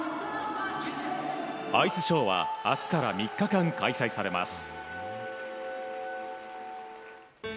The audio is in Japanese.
アイスショーは明日から３日間開催されます。